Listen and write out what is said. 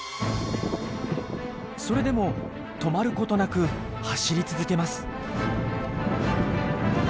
それでも止まることなく走り続けます。